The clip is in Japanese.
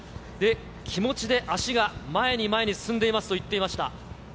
気持ちで足が前に前に進んでいますと言っていました。